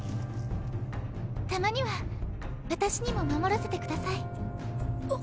たまには私にも守らせてください。